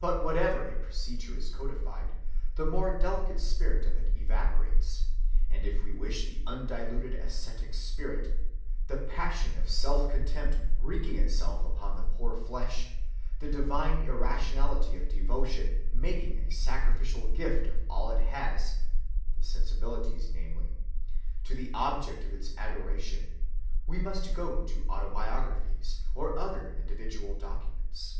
But whenever a procedure is codified, the more delicate spirit of it evaporates, and if we wish the undiluted ascetic spirit,—the passion of self‐contempt wreaking itself on the poor flesh, the divine irrationality of devotion making a sacrificial gift of all it has (its sensibilities, namely) to the object of its adoration,—we must go to autobiographies, or other individual documents.